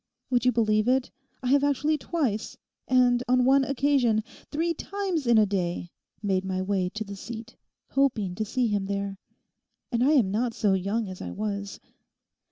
Would you believe it, I have actually twice, and on one occasion, three times in a day made my way to the seat—hoping to see him there. And I am not so young as I was.